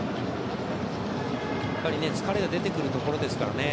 やはり疲れが出てくるところですからね。